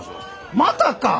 またか！？